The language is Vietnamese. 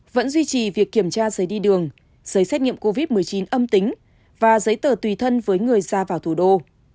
vẫn duy trì việc kiểm tra giấy đi đường giấy xét nghiệm covid một mươi chín âm tính và giấy tờ tùy thân với người ra vào thủ đô